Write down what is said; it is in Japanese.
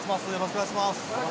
お願いします。